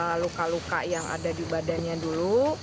ada luka luka yang ada di badannya dulu